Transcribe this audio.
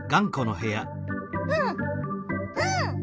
うんうん。